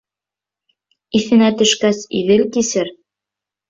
Иҫенә төшкәс, Иҙел кисер.